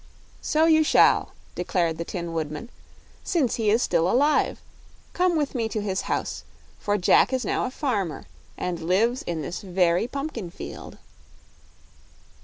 "So you shall," declared the Tin Woodman, "since he is still alive. Come with me to his house, for Jack is now a farmer and lives in this very pumpkin field."